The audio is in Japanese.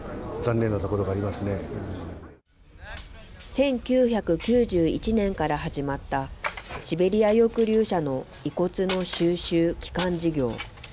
１９９１年から始まった、シベリア抑留者の遺骨の収集・帰還事業。